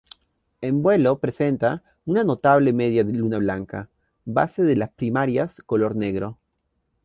En vuelo presenta una notable media luna blanca, base de las primarias color negro.